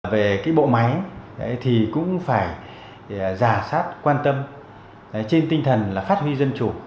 về cái bộ máy thì cũng phải giả sát quan tâm trên tinh thần là phát huy dân chủ